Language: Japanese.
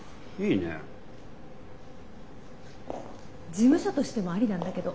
事務所としてもありなんだけど。